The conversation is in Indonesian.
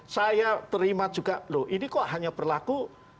saya terima juga loh ini kok hanya berlaku